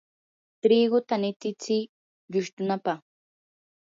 triguta nititsi llustupa.